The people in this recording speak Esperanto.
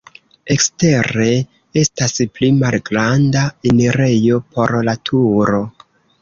Ekstere estas pli malgranda enirejo por la turo.